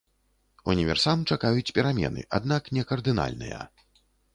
Універсам чакаюць перамены, аднак не кардынальныя.